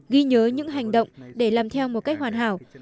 ghi nhớ những hành động để làm theo một cách hoàn hảo